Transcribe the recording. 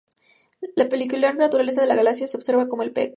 La peculiar naturaleza de la galaxia se observa con el 'pec'.